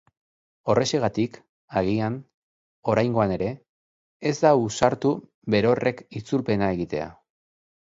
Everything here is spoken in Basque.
Horrexegatik, agian, oraingoan ere, ez da ausartu berorrek itzulpena egitea.